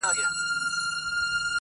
خپل د لاس څخه اشـــنــــــا.